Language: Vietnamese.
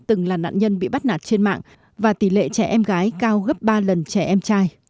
từng là nạn nhân bị bắt nạt trên mạng và tỷ lệ trẻ em gái cao gấp ba lần trẻ em trai